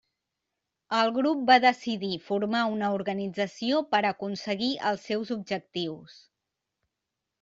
El grup va decidir formar una organització per aconseguir els seus objectius.